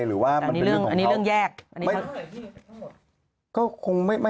หรือว่ามันเป็นเรื่องของเขา